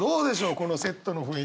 このセットの雰囲気。